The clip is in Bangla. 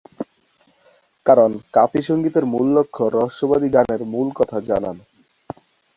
কারণ কাফি সংগীতের মূল লক্ষ্য রহস্যবাদী গানের মূল কথা জানানো।